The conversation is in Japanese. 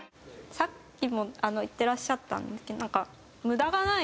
さっきもあの言ってらっしゃったんですけどなんか無駄がない。